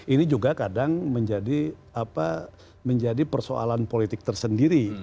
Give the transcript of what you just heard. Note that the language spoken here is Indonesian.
ini juga kadang menjadi persoalan politik tersendiri